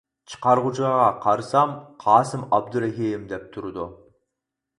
چىقارغۇچىغا قارىسام قاسىم ئابدۇرېھىم دەپ تۇرىدۇ.